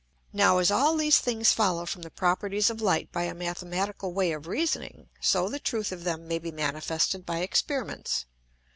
Now as all these things follow from the properties of Light by a mathematical way of reasoning, so the truth of them may be manifested by Experiments.